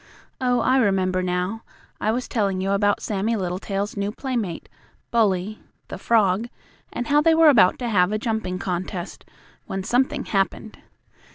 Oh, I remember now, I was telling you about Sammie Littletail's new playmate, Bully, the frog, and how they were about to have a jumping contest, when something happened.